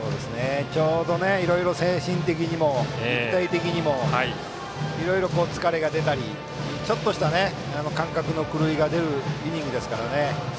ちょうどいろいろ精神的にも肉体的にも、いろいろ疲れが出たりちょっとした感覚の狂いが出るイニングですからね。